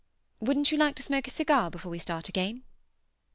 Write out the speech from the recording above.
"Wouldn't you like to smoke a cigar before we start again?"